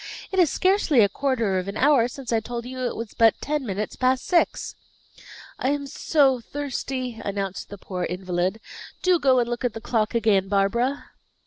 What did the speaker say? It is scarcely a quarter of an hour since I told you it was but ten minutes past six." "I am so thirsty!" announced the poor invalid. "Do go and look at the clock again, Barbara."